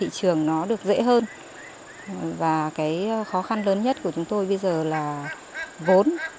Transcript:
thị trường nó được dễ hơn và cái khó khăn lớn nhất của chúng tôi bây giờ là vốn